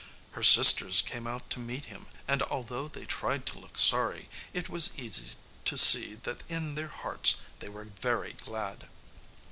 Her sisters came out to meet him, and although they tried to look sorry, it was easy to see that in their hearts they were very glad.